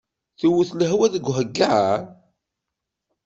Tewwet lehwa deg ahagar?